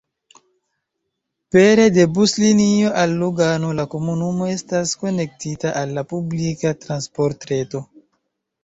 Pere de buslinio al Lugano la komunumo estas konektita al la publika transportreto.